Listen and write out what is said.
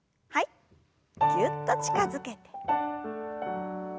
ぎゅっと近づけて。